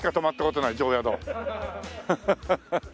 ハハハハ。